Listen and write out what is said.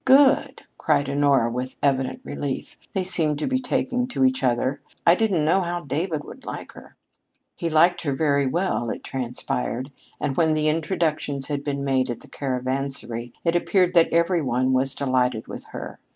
"Good!" cried Honora with evident relief. "They seem to be taking to each other. I didn't know how David would like her." He liked her very well, it transpired, and when the introductions had been made at the Caravansary, it appeared that every one was delighted with her.